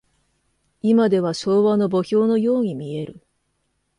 いまでは昭和の墓標のように見える。